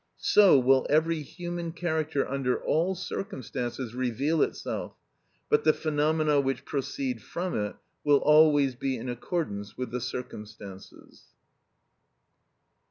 So will every human character under all circumstances reveal itself, but the phenomena which proceed from it will always be in accordance with the circumstances.